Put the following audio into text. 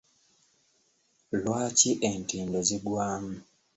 Lwaki entindo zigwamu?